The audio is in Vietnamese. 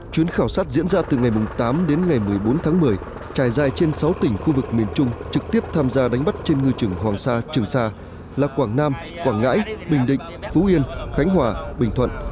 chuyến khảo sát diễn ra từ ngày tám đến ngày một mươi bốn tháng một mươi trải dài trên sáu tỉnh khu vực miền trung trực tiếp tham gia đánh bắt trên ngư trường hoàng sa trường sa là quảng nam quảng ngãi bình định phú yên khánh hòa bình thuận